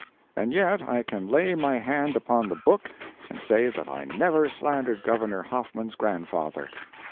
And yet I can lay my hand upon the Book and say that I never slandered Governor Hoffman's grandfather.